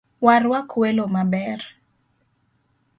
Warwak welo maber